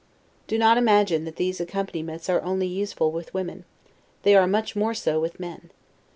Do not imagine that these accomplishments are only useful with women; they are much more so with men.